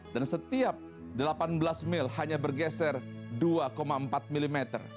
dan setiap delapan belas mil hanya bergeser dua empat mm